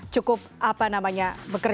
cukup apa namanya bekerja